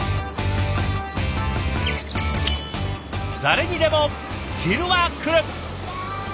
誰にでも昼はくる。